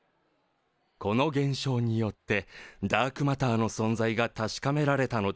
この現象によってダークマターの存在が確かめられたのです。